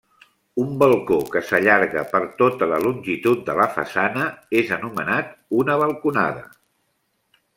Un balcó que s'allarga per tota la longitud de la façana és anomenat una balconada.